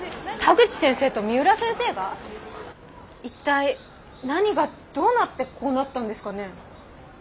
一体何がどうなってこうなったんですかね？